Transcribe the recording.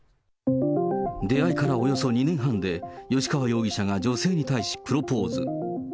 出会いからおよそ２年半で、吉川容疑者が女性に対しプロポーズ。